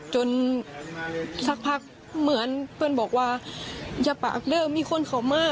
สักพักเหมือนเพื่อนบอกว่าอย่าปากเริ่มมีคนเขามา